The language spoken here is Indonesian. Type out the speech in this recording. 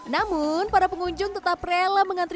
namun para pengunjung tetap rela mengantri